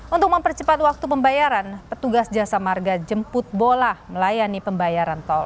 untuk mempercepat waktu pembayaran petugas jasa marga jemput bola melayani pembayaran tol